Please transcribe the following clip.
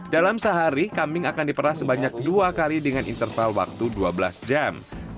dalam sehari kambing akan diperah sebanyak dua kali dengan interval waktu dua belas jam